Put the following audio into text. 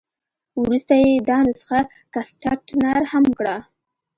وروسته یې دا نسخه ګسټتنر هم کړه.